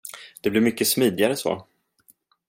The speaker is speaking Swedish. Det blir mycket smidigare så.